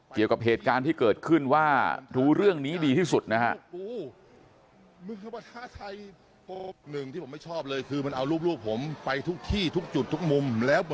เกี่ยวกับเหตุการณ์ที่เกิดขึ้นว่ารู้เรื่องนี้ดีที่สุดนะฮะ